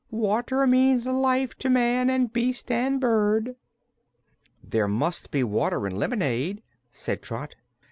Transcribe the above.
"Water means life to man and beast and bird." "There must be water in lemonade," said Trot.